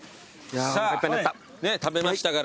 さあ食べましたから。